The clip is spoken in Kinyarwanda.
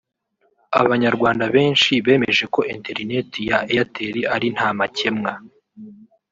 abanyarwanda benshi bemeje ko interineti ya Airtel ari nta makemwa